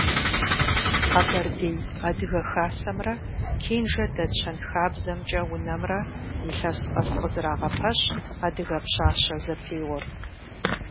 Къэбэрдей адыгэ хасэмрэ Кенжэ дэт щэнхабзэмкӏэ унэмрэ илъэс къэс къызэрагъэпэщ «Адыгэ пщащэ» зэпеуэр.